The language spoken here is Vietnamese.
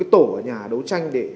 tổ nhà đấu tranh